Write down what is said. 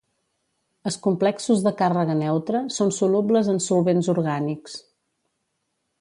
Es complexos de càrrega neutra són solubles en solvents orgànics.